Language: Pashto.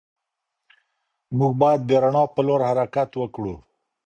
موږ بايد د رڼا په لور حرکت وکړو.